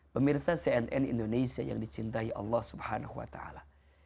pemirsa cnn indonesia yang dicintai allah subhanahu wa ta'ala